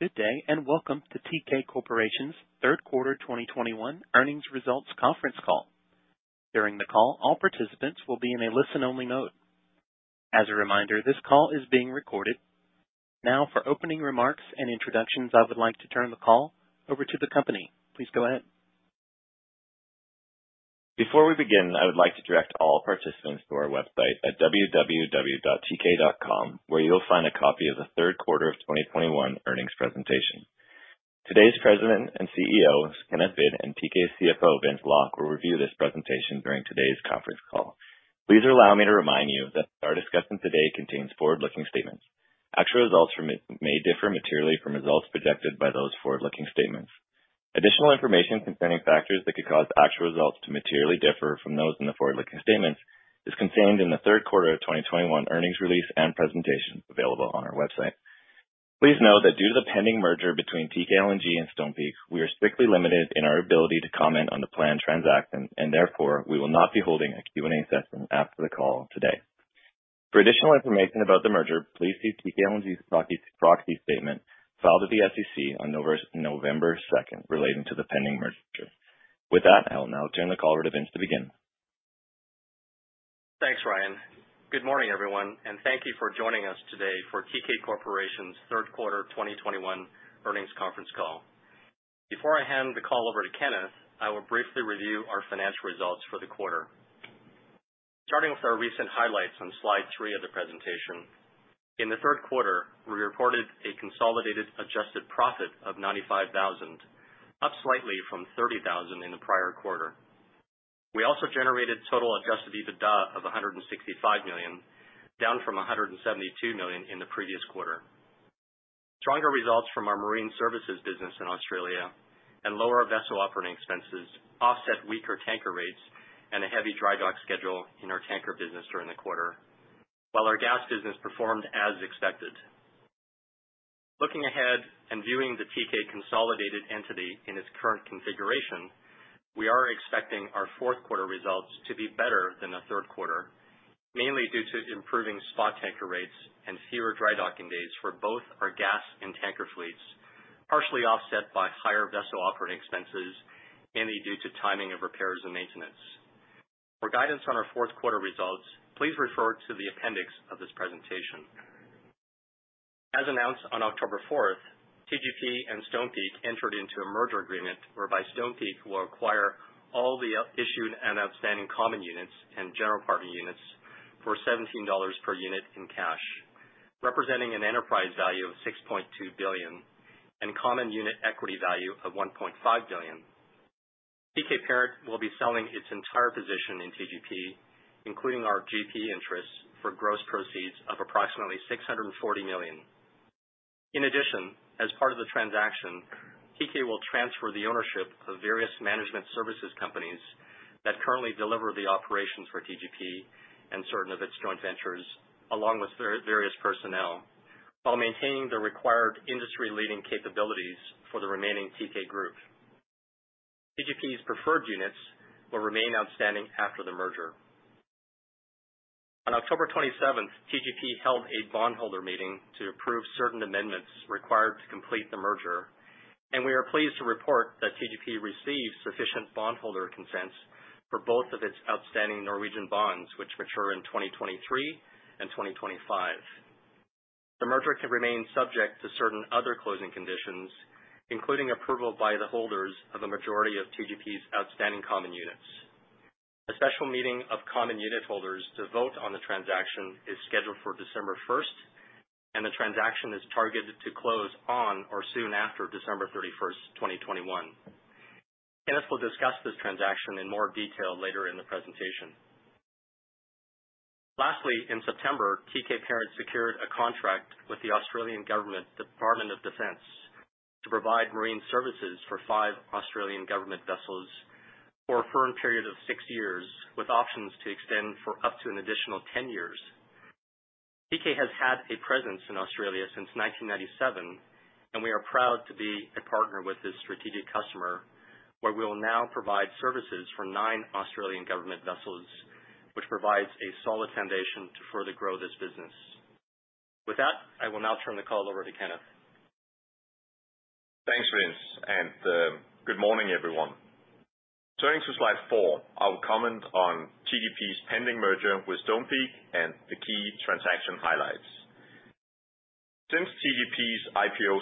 Good day, and welcome to Teekay Corporation's third quarter 2021 earnings results conference call. During the call, all participants will be in a listen-only mode. As a reminder, this call is being recorded. Now for opening remarks and introductions, I would like to turn the call over to the company. Please go ahead. Before we begin, I would like to direct all participants to our website at www.teekay.com, where you'll find a copy of the third quarter of 2021 earnings presentation. Today's President and CEO, Kenneth Hvid, and Teekay CFO, Vince Lok, will review this presentation during today's conference call. Please allow me to remind you that our discussion today contains forward-looking statements. Actual results from it may differ materially from results projected by those forward-looking statements. Additional information concerning factors that could cause actual results to materially differ from those in the forward-looking statements is contained in the third quarter of 2021 earnings release and presentation available on our website. Please note that due to the pending merger between Teekay LNG and Stonepeak, we are strictly limited in our ability to comment on the planned transaction and therefore we will not be holding a Q&A session after the call today. For additional information about the merger, please see Teekay LNG's proxy statement filed with the SEC on November second relating to the pending merger. With that, I'll now turn the call over to Vince to begin. Thanks, Ryan. Good morning, everyone, and thank you for joining us today for Teekay Corporation's third quarter 2021 earnings conference call. Before I hand the call over to Kenneth, I will briefly review our financial results for the quarter. Starting with our recent highlights on slide three of the presentation. In the third quarter, we reported a consolidated adjusted profit of $95,000, up slightly from $30,000 in the prior quarter. We also generated total adjusted EBITDA of $165 million, down from $172 million in the previous quarter. Stronger results from our marine services business in Australia and lower vessel operating expenses offset weaker tanker rates and a heavy dry dock schedule in our tanker business during the quarter, while our gas business performed as expected. Looking ahead and viewing the Teekay consolidated entity in its current configuration, we are expecting our fourth quarter results to be better than the third quarter, mainly due to improving spot tanker rates and fewer dry docking days for both our gas and tanker fleets, partially offset by higher vessel operating expenses mainly due to timing of repairs and maintenance. For guidance on our fourth quarter results, please refer to the appendix of this presentation. As announced on October fourth, TGP and Stonepeak entered into a merger agreement whereby Stonepeak will acquire all the issued and outstanding common units and general partner units for $17 per unit in cash, representing an enterprise value of $6.2 billion and common unit equity value of $1.5 billion. Teekay Parent will be selling its entire position in TGP, including our GP interests, for gross proceeds of approximately $640 million. In addition, as part of the transaction, Teekay will transfer the ownership of various management services companies that currently deliver the operations for TGP and certain of its joint ventures, along with various personnel, while maintaining the required industry-leading capabilities for the remaining Teekay Group. TGP's preferred units will remain outstanding after the merger. On October 27th, TGP held a bondholder meeting to approve certain amendments required to complete the merger, and we are pleased to report that TGP received sufficient bondholder consents for both of its outstanding Norwegian bonds, which mature in 2023 and 2025. The merger can remain subject to certain other closing conditions, including approval by the holders of a majority of TGP's outstanding common units. A special meeting of common unit holders to vote on the transaction is scheduled for December 1st, and the transaction is targeted to close on or soon after December 31st, 2021. Kenneth will discuss this transaction in more detail later in the presentation. Lastly, in September, Teekay Parent secured a contract with the Australian Government Department of Defence to provide marine services for five Australian government vessels for a firm period of six years, with options to extend for up to an additional 10 years. Teekay has had a presence in Australia since 1997, and we are proud to be a partner with this strategic customer, where we will now provide services for nine Australian government vessels, which provides a solid foundation to further grow this business. With that, I will now turn the call over to Kenneth. Thanks, Vince, and good morning, everyone. Turning to slide four, I will comment on TGP's pending merger with Stonepeak and the key transaction highlights. Since TGP's IPO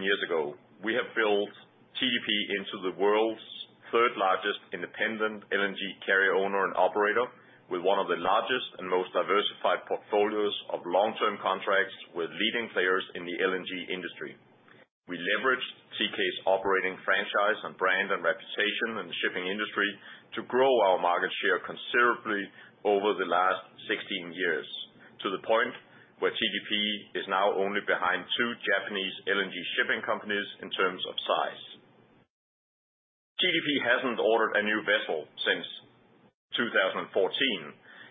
16 years ago, we have built TGP into the world's third largest independent LNG carrier owner and operator, with one of the largest and most diversified portfolios of long-term contracts with leading players in the LNG industry. We leveraged Teekay's operating franchise and brand and reputation in the shipping industry to grow our market share considerably over the last 16 years, to the point where TGP is now only behind two Japanese LNG shipping companies in terms of size. TGP hasn't ordered a new vessel since 2014,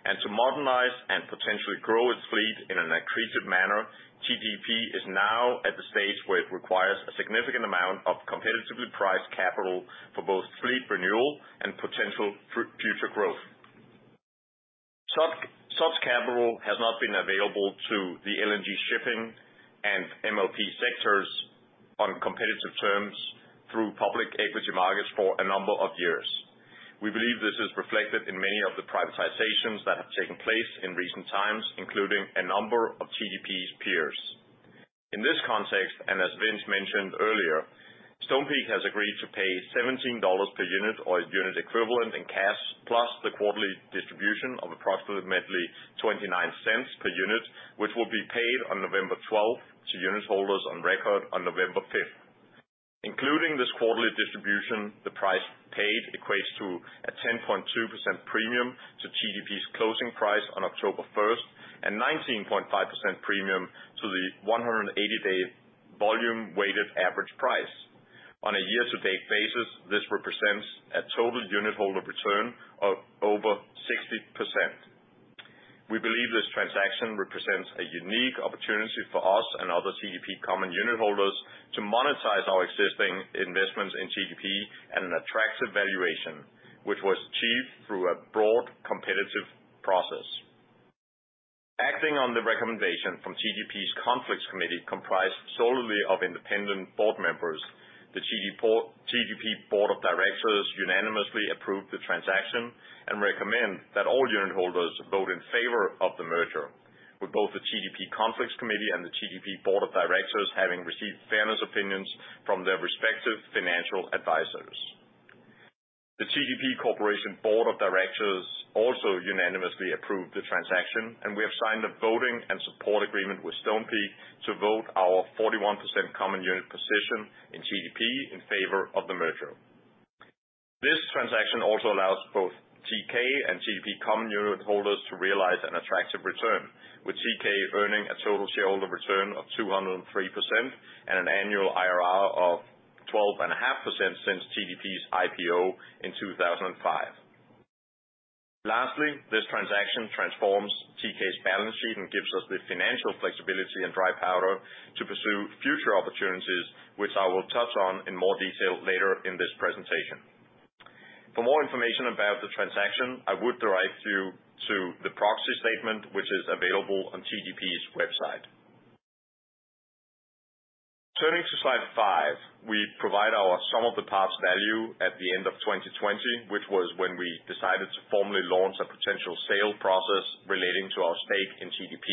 and to modernize and potentially grow its fleet in an accretive manner, TGP is now at the stage where it requires a significant amount of competitively priced capital for both fleet renewal and potential future growth. Such capital has not been available to the LNG shipping and MLP sectors on competitive terms through public equity markets for a number of years. We believe this is reflected in many of the privatizations that have taken place in recent times, including a number of TGP's peers. In this context, and as Vince mentioned earlier, Stonepeak has agreed to pay $17 per unit or unit equivalent in cash, plus the quarterly distribution of approximately $0.29 per unit, which will be paid on November 12 to unitholders on record on November 5th. Including this quarterly distribution, the price paid equates to a 10.2% premium to TGP's closing price on October 1st and 19.5% premium to the 180-day volume weighted average price. On a year-to-date basis, this represents a total unitholder return of over 60%. We believe this transaction represents a unique opportunity for us and other TGP common unitholders to monetize our existing investments in TGP at an attractive valuation, which was achieved through a broad competitive process. Acting on the recommendation from TGP's Conflicts Committee, comprised solely of independent board members, the TGP Board of Directors unanimously approved the transaction and recommend that all unitholders vote in favor of the merger, with both the TGP Conflicts Committee and the TGP Board of Directors having received fairness opinions from their respective financial advisors. The TGP Corporation Board of Directors also unanimously approved the transaction, and we have signed a voting and support agreement with Stonepeak to vote our 41% common unit position in TGP in favor of the merger. This transaction also allows both Teekay and TGP common unitholders to realize an attractive return, with Teekay earning a total shareholder return of 203% and an annual IRR of 12.5% since TGP's IPO in 2005. Lastly, this transaction transforms Teekay's balance sheet and gives us the financial flexibility and dry powder to pursue future opportunities, which I will touch on in more detail later in this presentation. For more information about the transaction, I would direct you to the proxy statement, which is available on TGP's website. Turning to slide five. We provide our sum of the parts value at the end of 2020, which was when we decided to formally launch a potential sale process relating to our stake in TGP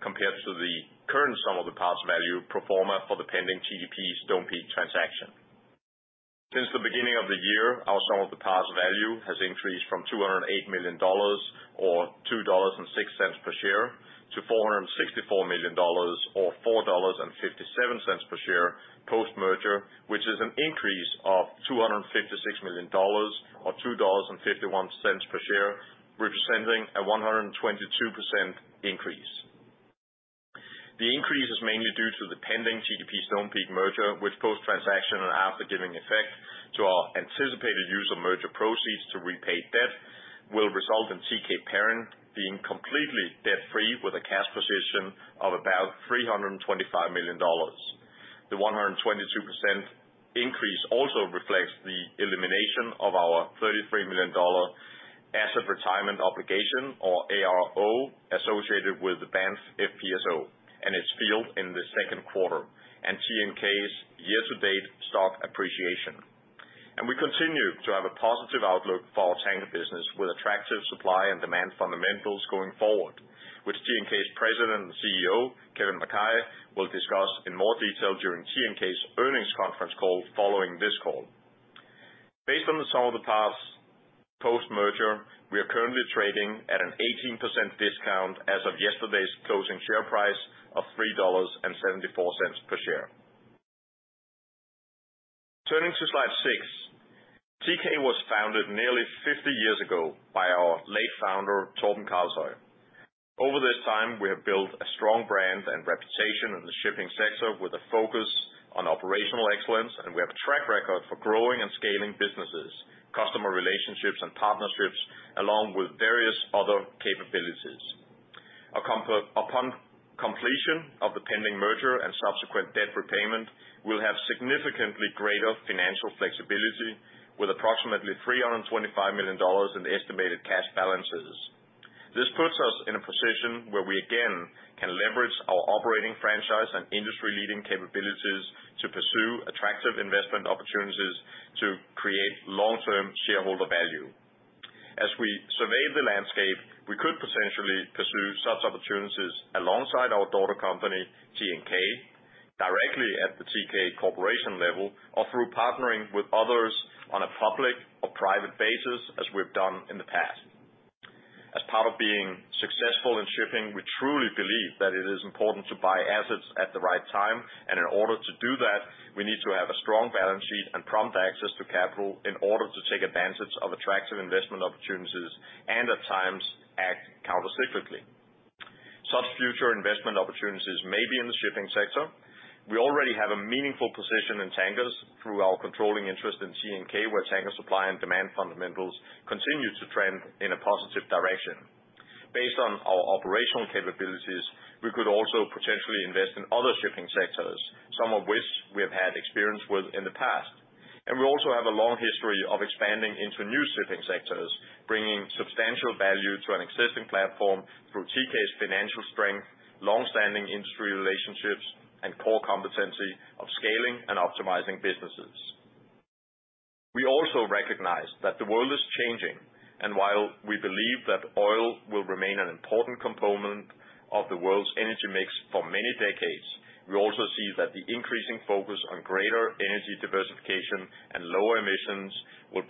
compared to the current sum of the parts value pro forma for the pending TGP Stonepeak transaction. Since the beginning of the year, our sum of the parts value has increased from $208 million or $2.06 per share to $464 million or $4.57 per share post-merger, which is an increase of $256 million or $2.51 per share, representing a 122% increase. The increase is mainly due to the pending TGP Stonepeak merger, which post-transaction and after giving effect to our anticipated use of merger proceeds to repay debt, will result in Teekay Parent being completely debt-free, with a cash position of about $325 million. The 122% increase also reflects the elimination of our $33 million asset retirement obligation, or ARO, associated with the Banff FPSO and its field in the second quarter, and Teekay's year-to-date stock appreciation. We continue to have a positive outlook for our tanker business with attractive supply and demand fundamentals going forward, which Teekay's President and CEO, Kevin Mackay, will discuss in more detail during Teekay's earnings conference call following this call. Based on the sum of the parts post-merger, we are currently trading at an 18% discount as of yesterday's closing share price of $3.74 per share. Turning to slide six. Teekay was founded nearly 50 years ago by our late founder, Torben Karlshoej. Over this time, we have built a strong brand and reputation in the shipping sector with a focus on operational excellence, and we have a track record for growing and scaling businesses, customer relationships and partnerships, along with various other capabilities. Upon completion of the pending merger and subsequent debt repayment, we'll have significantly greater financial flexibility with approximately $325 million in estimated cash balances. This puts us in a position where we again can leverage our operating franchise and industry-leading capabilities to pursue attractive investment opportunities to create long-term shareholder value. As we survey the landscape, we could potentially pursue such opportunities alongside our daughter company, Teekay, directly at the Teekay Corporation level, or through partnering with others on a public or private basis, as we've done in the past. As part of being successful in shipping, we truly believe that it is important to buy assets at the right time. In order to do that, we need to have a strong balance sheet and prompt access to capital in order to take advantage of attractive investment opportunities and at times act countercyclically. Such future investment opportunities may be in the shipping sector. We already have a meaningful position in tankers through our controlling interest in Teekay, where tanker supply and demand fundamentals continue to trend in a positive direction. Based on our operational capabilities, we could also potentially invest in other shipping sectors, some of which we have had experience with in the past. We also have a long history of expanding into new shipping sectors, bringing substantial value to an existing platform through Teekay's financial strength, long-standing industry relationships, and core competency of scaling and optimizing businesses. We also recognize that the world is changing, and while we believe that oil will remain an important component of the world's energy mix for many decades, we also see that the increasing focus on greater energy diversification and lower emissions will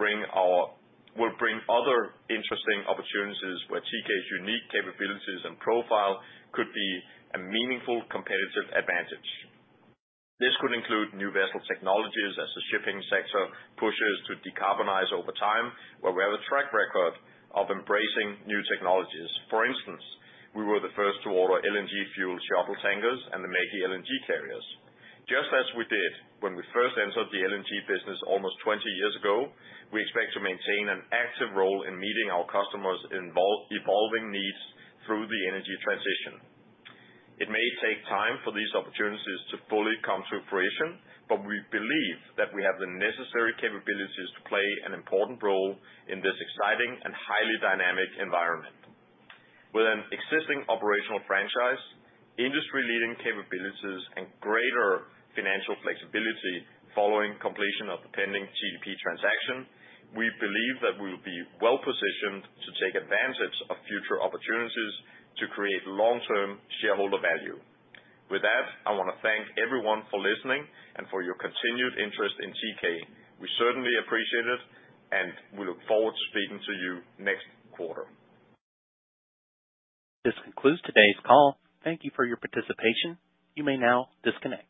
bring other interesting opportunities where Teekay's unique capabilities and profile could be a meaningful competitive advantage. This could include new vessel technologies as the shipping sector pushes to decarbonize over time, where we have a track record of embracing new technologies. For instance, we were the first to order LNG fuel shuttle tankers and the MEGI LNG carriers. Just as we did when we first entered the LNG business almost 20 years ago, we expect to maintain an active role in meeting our customers evolving needs through the energy transition. It may take time for these opportunities to fully come to fruition, but we believe that we have the necessary capabilities to play an important role in this exciting and highly dynamic environment. With an existing operational franchise, industry-leading capabilities, and greater financial flexibility following completion of the pending TGP transaction, we believe that we will be well-positioned to take advantage of future opportunities to create long-term shareholder value. With that, I wanna thank everyone for listening and for your continued interest in Teekay. We certainly appreciate it, and we look forward to speaking to you next quarter. This concludes today's call. Thank you for your participation. You may now disconnect.